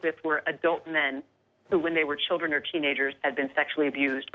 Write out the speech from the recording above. ที่เวลาที่จอดชีวิตส็อตและจอดลินชีวิตความอิสักที